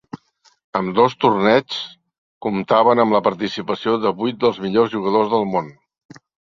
Ambdós torneigs comptaven amb la participació de vuit dels millors jugadors del món.